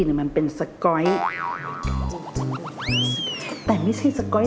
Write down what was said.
สามารถรับชมได้ทุกวัย